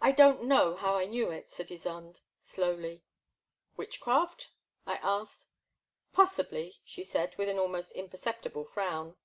I don*t know how I knew it, said Ysonde, slowly. Witchcraft? I asked. " Possibly, she said, with an almost impercep tible frown.